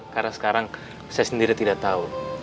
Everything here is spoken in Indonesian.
karena sekarang saya sendiri tidak tahu